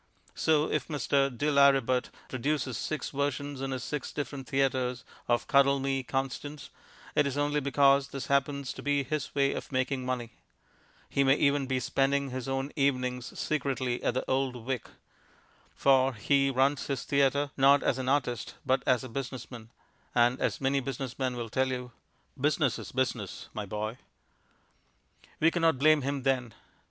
So if Mr. de Lauributt produces six versions in his six different theatres of Cuddle Me, Constance, it is only because this happens to be his way of making money. He may even be spending his own evenings secretly at the "Old Vic." For he runs his theatre, not as an artist, but as a business man; and, as any business man will tell you, "Business is business, my boy." We cannot blame him then.